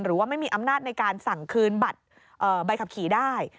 หรือว่าไม่มีอำนาจในการสั่งคืนบัตรใบขับขี่ได้